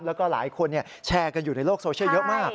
แล้วก็หลายคนแชร์กันอยู่ในโลกโซเชียลเยอะมาก